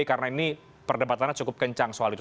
karena ini perdebatannya cukup kencang soal itu